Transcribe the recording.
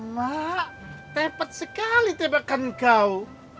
mak tepat sekali tembakan kau